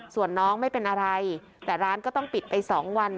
ส่วนน้องไม่เป็นอะไรแต่ร้านก็ต้องปิดไป๒วัน